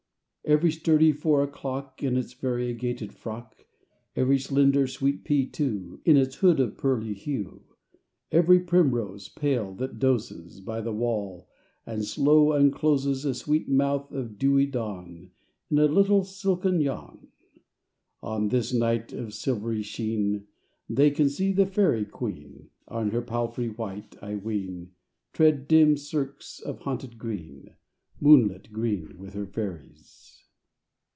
II Every sturdy four o' clock, In its variegated frock; Every slender sweet pea, too, In its hood of pearly hue; Every primrose pale that dozes By the wall and slow uncloses A sweet mouth of dewy dawn In a little silken yawn, On this night of silvery sheen, They can see the Fairy Queen, On her palfrey white, I ween, Tread dim cirques of haunted green, Moonlit green, With her Fairies.